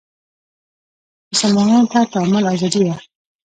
مسلمانانو ته تعامل ازادي وه